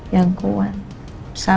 yang kuat sabar dan baik hati